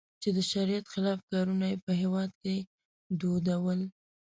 چې د شریعت خلاف کارونه یې په هېواد کې دودول.